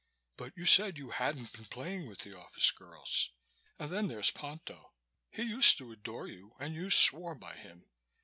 But you said you hadn't been playing with the office girls. And then there's Ponto. He used to adore you and you swore by him.